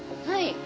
はい